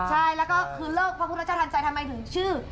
ใช่แล้วก็คือเลิกพระพุทธเจ้าทันใจทำไมถึงชื่อ